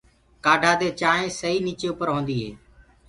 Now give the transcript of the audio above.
ڪآڌآ دي چآنٚينٚ سئي نيچي اُپر هوندي هي۔